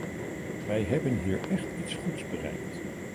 Wij hebben hier echt iets goeds bereikt.